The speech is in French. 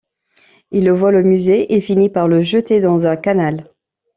Il le vole au musée et finit par le jeter dans un canal.